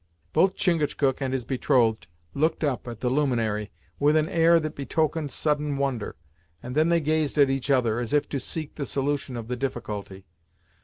Both Chingachgook and his betrothed looked up at the luminary, with an air that betokened sudden wonder, and then they gazed at each other, as if to seek the solution of the difficulty.